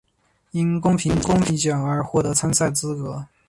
因公平竞技奖而获得参赛资格。